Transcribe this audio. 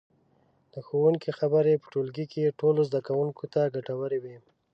د ښوونکي خبرې په ټولګي کې ټولو زده کوونکو ته ګټورې وي.